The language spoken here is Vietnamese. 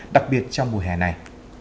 đặc biệt trong mùa hè này